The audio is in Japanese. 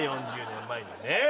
４０年前にね。